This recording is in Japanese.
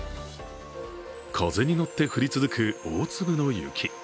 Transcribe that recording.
風に乗って降り続く大粒の雪。